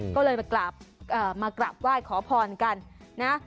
ก็เลยมากราบไหว้ขอพรกันนะ